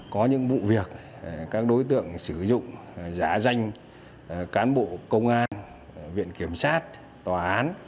có những vụ việc các đối tượng sử dụng giá danh cán bộ công an viện kiểm sát tòa án